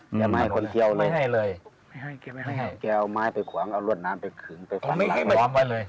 ไม่ให้มีไม่ควรล้องไว้เลย